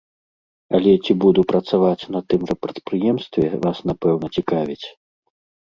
Але ці буду працаваць на тым жа прадпрыемстве, вас напэўна цікавіць?